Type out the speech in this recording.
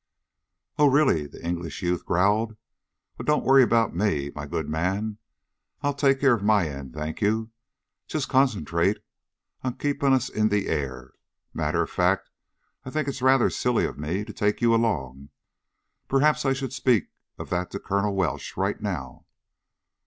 "Oh, really?" the English youth growled. "Well, don't worry about me, my good man. I'll take care of my end, thank you. Just concentrate on keeping us in the air. Matter of fact, I think it's rather silly of me to take you along. Perhaps I should speak of that to Colonel Welsh, right now."